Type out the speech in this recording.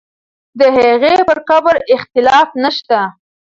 د هغې پر قبر اختلاف نه شته.